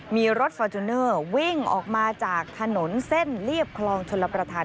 มีรถฟอร์จูเนอร์วิ่งออกมาจากถนนเส้นเรียบคลองชลประธาน